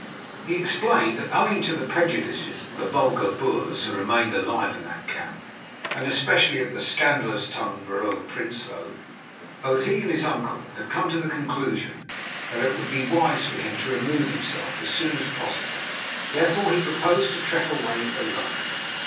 He explained that owing to the prejudices of the vulgar Boers who remained alive in that camp, and especially of the scandalous tongued Vrouw Prinsloo, both he and his uncle had come to the conclusion that it would be wise for him to remove himself as soon as possible. Therefore he proposed to trek away alone.